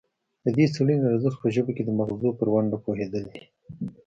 د دې څیړنې ارزښت په ژبه کې د مغزو پر ونډه پوهیدل دي